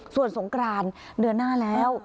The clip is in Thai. ส่วนสงกรานเดือนหน้าแล้ว